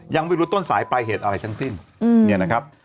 ยังไม่รู้ต้นสายปลายเหตุอะไรทั้งสิ้นเนี่ยนะครับ